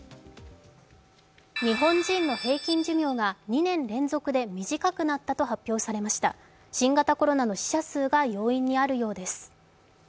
日本人の平均寿命が２年連続で短くなったと発表されました新型コロナの死者数が要因にあるようです。